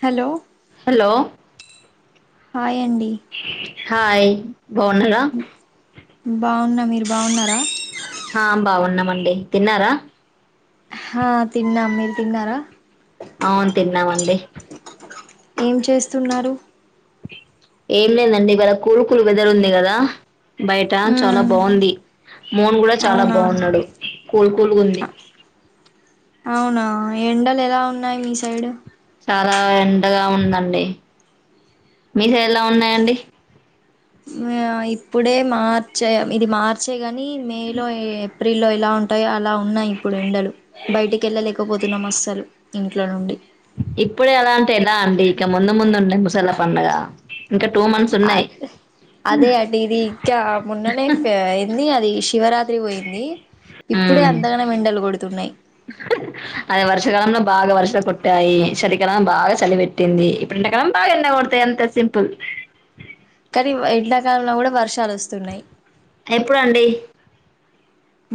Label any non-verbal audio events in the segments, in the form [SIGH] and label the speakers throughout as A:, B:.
A: Hello
B: hello
A: హాయ్ండి
B: hi బాగున్నార
A: బాగున్న మీరు బాగున్నారా
B: ఆ బాగున్నామండి తిన్నారా
A: ఆ తిన్నాం మీరు తిన్నారా
B: అవును తిన్నావండి
A: ఏం చేస్తున్నారు
B: ఏం లేదండి ఇవాళ కూలుకులు వేద్దరు ఉంది కదా. బయట చాలా
A: మ్మ్
B: బాగుంది మోన్ కూడ్ చాలా
A: అవునా
B: బాగున్నాడు కూల్ కూల్ గుంది
A: అవునా ఎండలు ఎలా ఉన్నాయి మీ సైడ్
B: చాలా ఎండగా ఉందండి మీ సైడ్లా ఉన్నాయంండి
A: ఆ ఇప్పుడే మార్చ ఇది మార్చ కా కానీ మే లో ఏప్రిల్ లో ఇలా ఉం టయో అలా ఉన్నాయి ఇప్పుడు ఎండలు బయటికి వెళ్ళలేకపోతున్నాం అస్సలు ఇంట్లో నుండి.
B: ఇప్పుడే ఎలా అంటే ఎలా అండి ఇక ముందు ముందు ఉండే ముసాల పడుగ.
A: అ అదే అటిదికా మన్ననే ఏంది అది శివరాత్రి పోయింది ఇప్పుడే
B: ఉమ్
A: అంతగానం ఎండలు కొడుతున్నాయి
B: అదిే వర్షకాలంంలో బాగా వర్ష కొట్టాయి సలికాలం బాగా శలి పెెట్టింది. ఇప్పుడు ఎండాకాలం బాగా ఎండ కొడతాయి అంత సింపుల్.
A: కానీ ఎండాకాలంలో కూడా వర్షాలు వస్తున్నాయి.
B: ఎప్పుడు అండి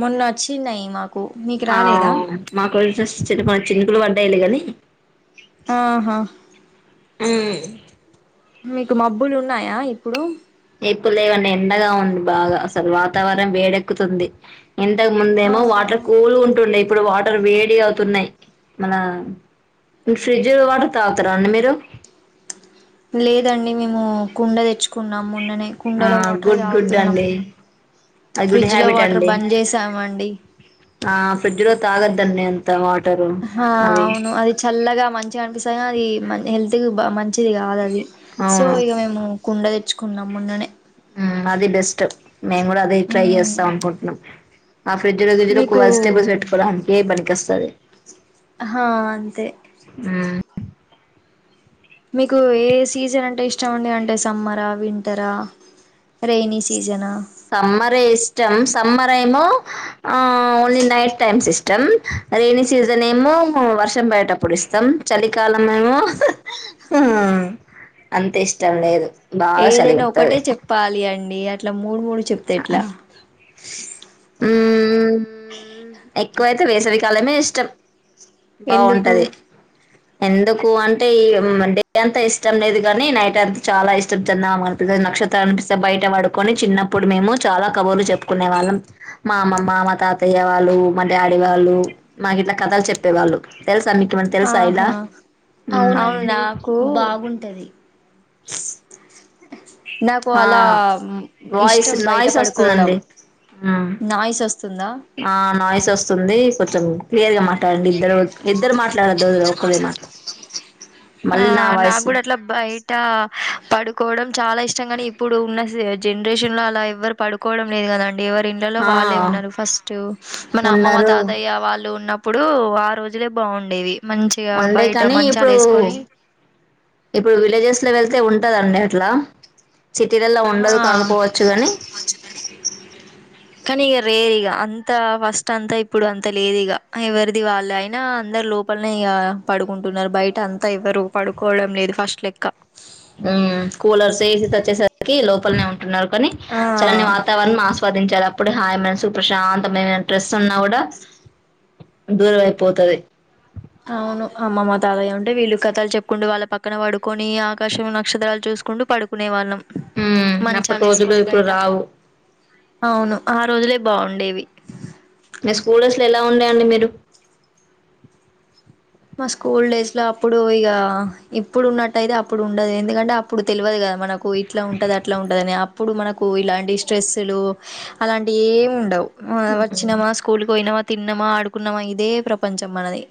A: మొన్న వచ్చింనై మా
B: ఆ మాకు కొంచం చిన్న పాటి చినుకులు ప డైలే కాని
A: ఆహా
B: ఉమ్
A: మీకు మబ్బులు ఉన్నాయా ఇప్పుడు
B: ఇప్పుడు లేవు అండి ఎండగా ఉంది బాగా అసలు వాతావరణం వేడెక్కుతుంది ఇంతకు ముందేమో
A: అవునా
B: వాటర్ కూల్ ఉంటుండే ఇప్పుడు వాటర్ వేడి అవుతున్నాయి ఉమ్ మీకు ఫ్రిడ్జ్ లో వాటర్ తాగుతారా అండి మీరు
A: లేదండి మేము కుండ తెచ్చుకు కున్నాం మొన్ననే
B: ఆ
A: కుండలో వాటరే
B: గుడ్ గుడ్
A: తాగుతున్నాం
B: అండి అది గుడ్
A: ఫ్రిడ్జ్ లో
B: హ్యాబిట్
A: వాటర్
B: అండి
A: బంద్ చేసాము అండి
B: ఆ ఫ్రిడ్జ్ లో తాగద్దండి అంత వాటరు
A: ఆ
B: అవి
A: అవును అది చల్లగా మంచిగా అనిపిస్తాయి అది హెల్త్ కి బాగ మంచిది కాదు అది సో
B: అవును
A: ఇక మేము కుండ తెచ్చు తేచ్చుకున్నాం మొన్ననే
B: అది బెస్ట్ మేము కూడా అదే ట్రై
A: మ్మ్.
B: చేస్తాం అనుకుంటున్నాం ఆ ఫ్రిడ్జ్లో గిజ్జులో
A: మీకు
B: వెజిటేబుల్స్ పెట్టుకోడానికె పనికి వస్తది
A: హా అంతే
B: హ్మ్
A: మీకు ఏ సీజన్ అంటే ఇష్టం అండి అంటే సమ్మర్ రా వింటార్ రా
B: సమ్మరే ఇష్టం సమ్మర్ ఏమో ఆ ఓన్లీ నైట్ టైమ్స్ ఇష్టం రైనీ సీజన్ ఏమో వర్షం పడేటప్పుడు ఇష్టం చలికాలం ఏమో హ హ అంత ఇష్టం లేదు బాగా చలి
A: ఏదైనా ఒకటే
B: పెడతది
A: చెప్పాలి అండి అ ఇట్లా మూడు మూడు చెప్తే ఏట్లా
B: ఉమ్ ఉ ఎక్కువ అయితే వేసవి కాలమే ఇష్టం
A: ఎందుకు
B: బాగుంటది ఎందుకు అంటే ఈ అంటే డే అంతా ఇష్టం లేదు కాని నైట్ అంత చాలా ఇష్టం చందామమ కనిపిస్తది నక్షత్రలు కనిపిస్తయి బయట పడుకొని చిన్నప్పుడు మేము చాలా కబుర్లు చెప్పుకునే వాళ్ళం మా అమ్మమ్మ మా తాతయ్య వాళ్లు మా డాడీ వాళ్ళు మాకు ఇట్లా కథలు చెప్పేవాళ్ళు తెలుస్
A: ఆహా అవును
B: మ్మ్.
A: అవును నాకు బాగుంటది
B: ఎస్
A: [INAUDIBLE] నాకు అలా
B: వాయిస్
A: ఇష్టం బయట
B: నాయిస్
A: పడుకోవడం
B: వస్తుందండి మ్మ్.
A: నాయిస్ వస్తు
B: ఆ నాయిస్ వస్తుంది కొంచెం క్లియర్ గా మల్లి అండి ఇద్దరు ఇద్దరు మాట్లాడద్దు ఒకరే మాట్ల
A: ఆ నాకూడా అట్లా బయట పడు పకోవడం చాలా ఇష్టం గాని ఇప్పుడు ఉన్న జనరేషన్ లో అలా ఎవరు పడుకోవడం లేదు కదాండి ఎవరు ఇండ్ల లో
B: ఆ
A: వాళ్ళే ఉన్నారు ఫస్ట్ మన అమ్మమ్మ
B: ఉన్నారు
A: తాతయ్య వాళ్ళు ఉన్న ఇప్పుడు ఆ రోజులే బాగుండేవి మంచిగా
B: ఉండే
A: బయట
B: కాని
A: మంచాలు
B: ఇప్పుడు
A: వేసుకొని
B: ఇప్పుడు విలేజెస్ లో వెళ్ అయితే ఉంటదండి అట్లా సిటీలలో ఉండదు
A: ఆ
B: కాకపోవచ్చు గాని
A: లేదు ఇగ అంత ఫస్ట్ అంత ఇప్పుడు అంతా లేదు ఇక ఎవరిది వాళ్ళు అయినా అందరు లోపలనే ఇక పడుకుంటున్నారు బయట అంతా ఎవరు పడుకోవడం లేదు ఫస్ట్ లెక్క
B: ఉమ్ కూలర్స్ ఏసి తెచ్చేసరికి లోపలనే ఉంట పడుకుంటున్నారు కానీ
A: ఆ
B: చల్లని వాతావరణం ఆస్వాదించడం అప్పుడే హాయ్ మనసు ప్రశాంతమైన ట్రే ఉన్న కూడా దూరం అయిపోతది
A: అవును అమ్మమ్మ తాతయ్య ఉంటే వీళ్ళు కథలు చెప్పుకుంటూ వాళ్ళ పక్కన పడుకొని ఆకాశం నక్షత్రాలు చూసుకుంటూ పడుకునే వాళ్ళం
B: ఊమ్ అప్పటి
A: మంచాలు
B: రోజులు
A: వేసుకొని
B: ఇప్పుడు
A: బయట
B: రావు
A: అవును ఆ రోజులే బాగుండేవి
B: మీ స్కూల్ డేస్ ఎలా ఉండేయండి మీరు
A: మా స్కూల్ డేస్ లో అప్పుడు ఇక ఇప్పుడు ఉన్నట్టయితే అప్పుడు ఉండదు ఎందుకంటే అప్పుడు తెలవదు కదా మనకు మనకు ఇట్లా ఉంటది అట్లా ఉంటాదని అప్పుడు మనకు ఇలాంటి స్ట్రెస్సులు అలాంటివి ఏమి ఉండవు వచ్చినామా స్కూల్కి పోయినమా తిన్నమా ఆడుకున్నమా ఇదే ప్రపంచం మనది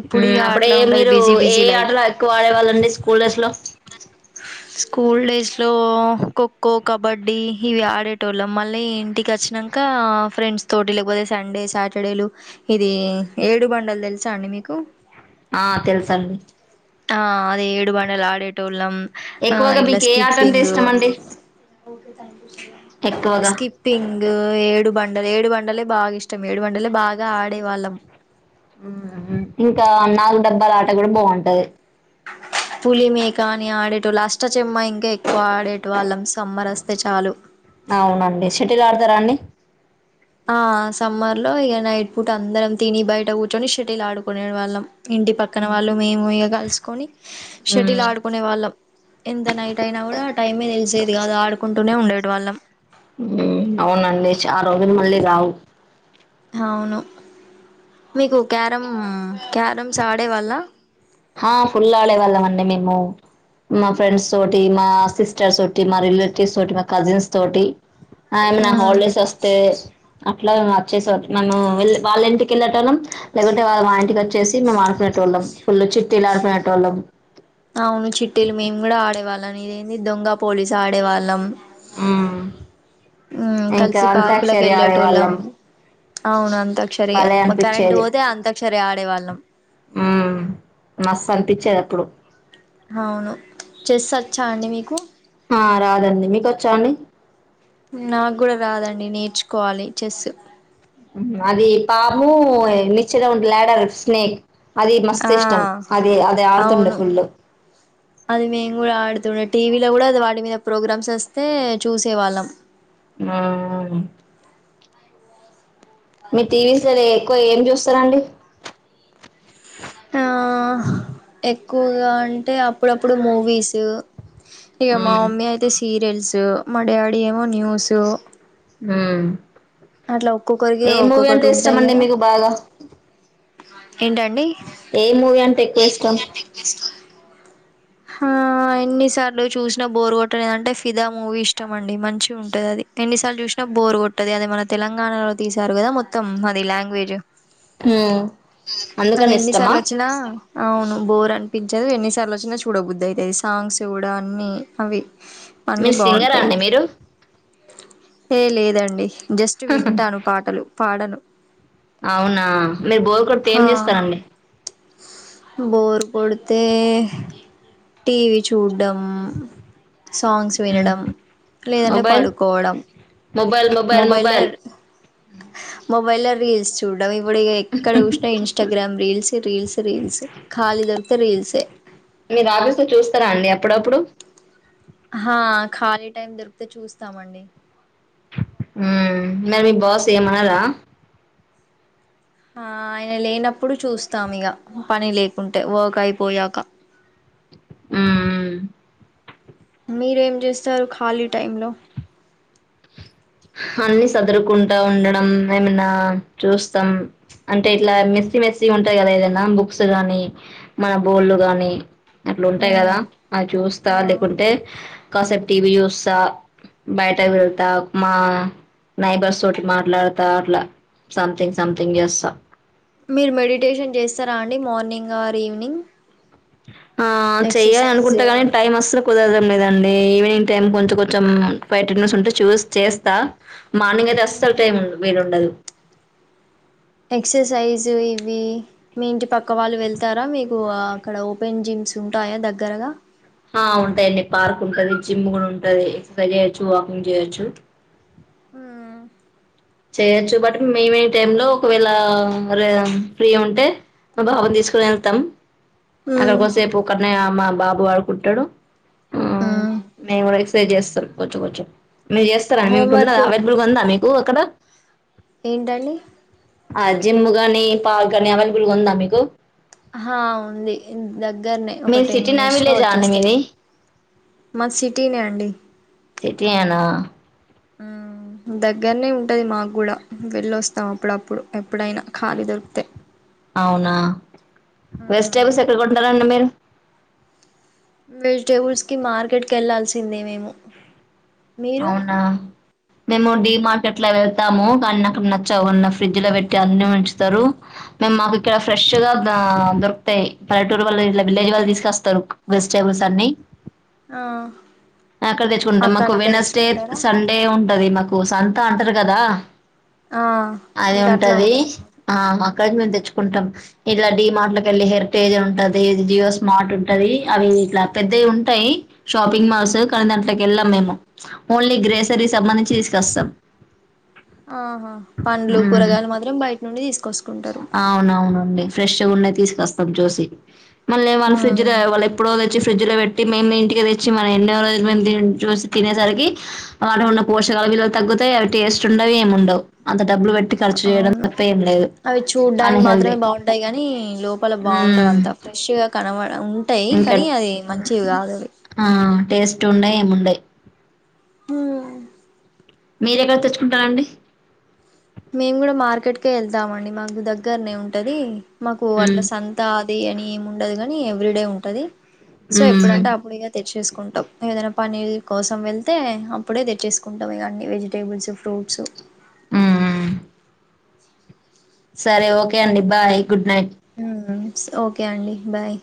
A: ఇప్పుడు
B: ఉమ్
A: ఇక
B: అప్పుడే
A: అట్లా ఉండదు
B: మీరు
A: బిజీ
B: ఏ
A: బిజీ లైఫ్
B: ఆటలు ఎక్కువ ఆడేవాళ్ళండి స్కూల్ డేస్ లో
A: స్కూల్ డేస్ లో ఖోఖో కబడ్డీ ఇవి ఆడేటోళ్ళం మళ్ళీ ఇంటికి వచ్చినాక ఫ్రెండ్స్ తోటి లేకపోతే సండే సాటర్డేలు ఇది ఏడు బండలు తెలుసా అండి మీకు మీకు
B: ఆ తెలుసండి
A: ఆ అదే ఏడు బండలు ఆడేటోల్లం
B: ఎక్కువగా మీకు ఏ ఆట అంటే ఇష్టమండి ఎక్కువగా
A: స్కిప్పింగూ ఏడు బండలు ఏడు బండలే బాగా ఇష్టం ఏడు బండలే బాగా ఆడేవాళ్ళం
B: ఉమ్ ఇంకా నాలుగు డబ్బాల ఆట కూడా బావుంటది
A: పులి మేక అని ఆడేటొ ళ్ళు అష్ట చెమ్మా ఇంకా ఎక్కువ ఆడేటి వాళ్ళం సమ్మర్ వస్తే చాలు
B: అవునండి షెటిల్ ఆడతారా అండి
A: ఆ సమ్మర్ లో ఇక నైట్ పూట అందరం తిని బయట కూర్చొని షటిల్ ఆడుకునే వాళ్ళం. ఇంటి పక్కన వాళ్ళు మేము ఇ కలుసుకొని షటిల్ ఆడుకునే వాళ్ళం ఎంత నైట్ అయినా కూడా ఆ టైమే తెలిసేది కాదు ఆడుకుంటూనే ఉం వాళ్ళం
B: అవునండి చాల రోజులు మళ్ళీ రావు
A: అవును మీకు క్యారమ్ క్యారమ్స్ ఆడే వాళ్ళ
B: ఆ ఫుల్ ఆడే వాళ్ళం అండి మేము మా ఫ్రెండ్స్ తోటి మా సిస్టర్స్ తోటి మా రిలేటివ్స్ తోటి మా కజిన్స్ తోటి ఏమన్న
A: ఉమ్
B: హాలిడేస్ వస్తే అట్లా వచ్చేసి నన్ను వె వాళ్ళ ఇంటికి వెళ్ళేటొలం లేకుంటే వాళ్ళు మా ఇంటికి వచ్చేసి మేము ఆడుకునే టోళ్ళం ఫుల్ చి తినార్ పెటోలం
A: అవును చిట్టేలు మేము గుడా ఆడేవాళ్ళం ఇదేంది దొంగ పోలీసు ఆడేవాళ్ళం
B: ఉ
A: ఉమ్
B: ఇంకా
A: కలిసి
B: అంతక్షరి ఆడే వాళ్ళం
A: అవున అంతక్షరి మ కరెంట్ పోతే అంతాక్షరి ఆడే వాళ్ళం
B: హుమ్ మస్తు అనిపిచేది అప్పుడు
A: అవును చెస్ వచ్చా అండి మీకు
B: ఆ రాదండి మీకొచ్చా అండి
A: డి నేర్చుకోవాలి చెస్
B: అది పాము నిచ్చన ఉన్ లాడర్ స్నేక్ అది మస్త్
A: ఆ
B: ఇష్టం అదే అది ఆడుతుండే
A: అవును
B: ఫుల్
A: అది మేము కూడా ఆడుతుండే టీవీలో గుడా అది వాటి మీద ప్రోగ్రామ్స్ వస్తే చూసే వాళ్ళం
B: హుమ్ మి టీవీస్ లనే ఎక్కువ ఏం చూస్తరండి
A: ఆ ఎక్కువగా అంటే అప్పుడప్పుడు మూవీస్ ఇగా మా
B: మ్మ్
A: మమ్మీ అయితే సీ సీరియల్స్ మా డాడీ ఏమో న్యూస్
B: హుమ్
A: అట్లా ఒక్కొక్కరికి
B: ఏ మూవీ
A: ఒక్కొక్కటి
B: అంటే
A: ఉంటాయి
B: ఇష్టమండి
A: కదా
B: మీకు బాగా
A: ఏంటండి
B: ఏ ఏ మూవీ అంటే ఎక్కువ ఇష్టం
A: హ ఎన్నిసార్లు చూసినా బోరు కొట్టలేదంటే ఫిదా మూవీ ఇష్టం అండి మంచిగ్ ఉంటది అది ఎన్నిసార్లు చూసినా బోరు కొట్టది. అది మన తెలంగాణలో తీసారు కదా మొత్తం అది లాంగ్వేజ్
B: హు
A: అది
B: అందుకని ఇష్టమా
A: ఎన్నిసార్లు వచ్చినా అవును బోర్ అనిపించదు ఎన్నిసార్లు వచ్చినా చూ చూడబుద్దయితది సాంగ్స్ గుడా అన్నీ అవి
B: మీ
A: అన్నీ
B: సింగరా
A: బాగుంటాయి
B: అండి మీరు
A: ఏ లేదండి జస్ట్ వింటాను పాటలు పాడను
B: అవునా మీరు బోర్ కొడితే ఏం చేస్తారండి.
A: బోర్ కోడుతే టీవీ చూడ్ డం సాంగ్స్
B: మ్మ్
A: వినడం లేదంటే
B: మొబైల్
A: పడుకోవడం
B: మొబైల్ మొబైల్ మొబైల్
A: మొబైలర్ మొబైలర్ రీల్స్ చూడడం ఇప్పుడిగా ఏక్కడ చూసిన ఇన్స్టాగ్రామ్ రీల్స్ రీల్స్ రీల్స్ ఖాళీ దొరికితే రీల్సే
B: మీరు ఆఫీస్ లో చూస్తారా అండి అప్పుడప్పుడు
A: హా ఖాళీ టైం దొరికితే చూస్తామండి.
B: మరి మీ బాస్ ఏం ఆనారా
A: హా ఆయన లేనప్పుడు చూస్తాం ఇగా పని లేకుంటే వర్క్ అయిపోయాక
B: హ్
A: మీరేం జేస్తారు ఖాళీ టైమ్ లో
B: అన్ని సదురుకుంటా ఉండడం. ఏమన్న చూస్తాం. అంటే ఇట్లా మెస్సి మెస్సి ఉంటాయి. గాదా ఏదన్న బుక్స్ గాని మన బోళ్ళు గాని అట్ల ఉంటాయి కదా
A: ఉమ్
B: అది చూస్తా
A: ఆ
B: లేకుంటే కాసెపు టీవీ జూస్తా బయటకి వెళ్తా మా నైబర్స్ తోటి మాట్లాడతా అట్లా సంథింగ్ సంథింగ్ చేస్తా
A: మీరు మెడిటేషన్ చేస్తారా అండి మార్నింగ్ ఆర్ ఈవినింగ్
B: ఆ చెయ్యాలి
A: ఎక్సర్సైజ్
B: అనుకుంట గానీ టైం అస్సలు కుదరం లేదాం అండి ఈవినింగ్ టైమ్ కొంచెం కొంచెం [UNINTELLIGIBLE] ఉంటే చూస్ చేస్తా మార్నింగ్ అయితే
A: మ్మ్
B: అస్థల్ టైం వీలుం డదు
A: ఎక్సర్సైజ్ ఇవి మీ ఇంటి పక్క వాళ్ళు వెళ్తారా మీకు అక్కడ ఓపెన్ జిమ్స్ ఉంటాయా దగ్గరగా
B: ఆ ఉంటాయిండి పార్క్ ఉంటది. జిమ్ కూడా ఉంటది. ఎక్సర్సైజ్ చేయొచ్చు వాకింగ్ చేయొచ్చు.
A: హా
B: చేయొచ్చు. బట్ మేము ఈవినింగ్ టైమ్ లో ఒకవేళ ఫ్రీ ఉంటే మా బాబు ని తీసుకోని ఏళ్తాం. అక్కడికి వోస్తే చెప్పు కాడ్ నే మా బాబు ఆడుకుంటాడు. హ్ మేము కూడా ఎక్సర్సైజ్ చేస్తాం కొంచెం కోంచెం మీరు జెస్తార ఆండీ. మీకు ఉన్నదా
A: హోంవర్క్
B: అవైల్బ్లూ గా ఉందా మీకు కు ఎక్కడ
A: ఏంటండి
B: ఆ జిమ్ గాని పార్క్ గాని అవైలబుల్ గా ఉందా మీకు
A: ఆ హా ఉంది దగ్గరన్నే ఒక
B: మీది
A: టెన్
B: సిటీనా
A: మినిట్స్ లో
B: విలేజా అండి
A: వచ్చేస్తాది
B: మీది
A: మాది సిటీనే అండి
B: సిటీయే నా
A: ఆ దగ్గరనే ఉంటది మాకు కూడా వెళ్ళొస్తాం అప్పుడప్పుడు ఎప్పుడైనా ఖాళీ దొరికితే
B: అవునా వెజిటబుల్స్ ఎక్కడ కొంటారండీ మీరు
A: వెజిటేబుల్స్ కి మార్కెట్ కి వెళ్లాాల్సిందే మేము మీరు
B: అవునా మేము డి మార్కెట్ లో వెళ్తాము కానీ నాకు నచ్చావ్ ఫ్రిడ్జ్ లో పెట్టి అన్ని ఉంచుతారు మేము మాకు ఇక్కడ ఫ్రెష్ గా దొరుకుతాయి పల్లెటూరు వాళ్ళ ఇట్ల విలేజ్ వాళ్ళ తీసుకస్తారు వెజిటేబుల్స్ అన్ని
A: ఆ
B: అక్కడ తెచ్చుకుంటాం
A: అక్క
B: మాకు వెనస్డే సండే ఉ అది మాకు సంత అంటారు కదా
A: ఆ
B: అది
A: మీకు అట్లా
B: ఉంటది
A: ఉంటదా
B: ఆ అక్కడికి మేము
A: ఉమ్
B: తెచ్చుకుంటాం ఇట్లా డి మార్ట్లక వెళ్ళలి హెరిటేజ్ ఉంటది జియో స్మార్ట్ ఉంటది అవి ఇట్లా పెద్దవి ఉంటాయి షాపింగ్ మాల్స్ కానీ దాంట్ల కి ఎల్లం మేమ్ ఓన్లీ గ్రేసరీ సంబంధించి తీసుకొస్తాం
A: ఆహా పండ్లు
B: మ్మ్
A: కూరగాయలు మాత్రం బయట నుండి తీకొచి
B: అవునవునండి ఫ్రెష్ గా ఉన్నాయి తీసుకొస్తాం చూసి మళ్ళ వాళ్ళ ఫ్రిడ్జ్
A: హ
B: వాళ్ళు ఎప్పుడు వచ్చి ఫ్రిడ్జ్ లో పెట్టి మే ఇంటికి తెచ్చి మన ఎన్నో రోజు మ చూసి తినేసరికి వాటి కి ఉన్న పోషకాలు విలువలు తగ్గుతాయి అవి టేస్ట్ ఉండవి ఏమిండవు అ డబ్బులు పెట్టి ఖర్చు చేయడం
A: అవును
B: తప్ప ఏం లేదు
A: అవి చూడ్డానికి మాత్రమే
B: అన్హెల్దీ
A: బాగుంటాయి కాగానీ లోపల
B: ఉమ్
A: బాగుండవుంతా ఫ్రెష్ గా కనవ ఉంటాయి
B: ఇంకా
A: కానీ అది మంచివి కాదు అవి
B: టేస్ట్ ఉండయి ఉండయి
A: హ
B: మీర ఎక్కడ తెచ్చుకుంటారండి
A: మేము కూడా మార్కెట్కే వెళ్తామ అండి మాకు దగ్గరనే ఉంటది మాకు
B: ఉమ్
A: అట్లా సంత అది అని ఏమి ఉండదు కాగాని ఎవ్రీ డే ఉంటది సో
B: ఉమ్
A: ఎప్పుడంటే అప్పుడు ఇక తెచ్చేసుకుంటాం ఏదైనా పన్నీర్ కోసం వెళ్తే అప్పుడే తెచ్చేసుకుంటాం ఇగా అన్నీ వెజిటేబుల్స్ ఫ్రూట్స్
B: ఆ సరే ఓకే అండి బాయ్ గుడ్ నైట్
A: ఆ ఓకే అండి బాయ్